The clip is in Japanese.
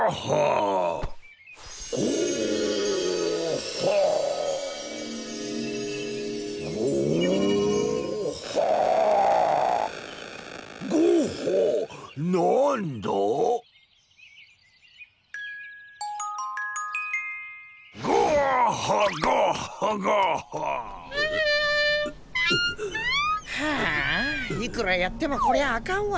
はぁいくらやってもこりゃあかんわ。